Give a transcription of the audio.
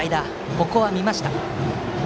ここは見ました。